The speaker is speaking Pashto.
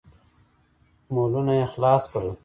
مولونه يې خلاص کړل.